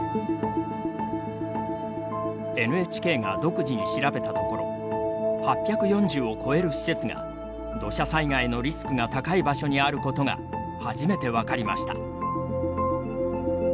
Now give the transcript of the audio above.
ＮＨＫが独自に調べたところ８４０を超える施設が土砂災害のリスクが高い場所にあることが、初めて分かりました。